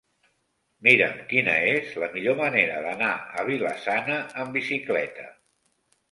Mira'm quina és la millor manera d'anar a Vila-sana amb bicicleta.